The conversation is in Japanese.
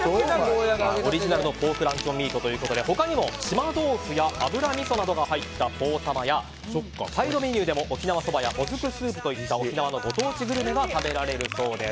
オリジナルポークミートということで他にも島豆腐や油みそなどが入ったポーたまやサイドメニューでも沖縄そばやもずくスープといいった沖縄のご当地グルメも食べられるそうです。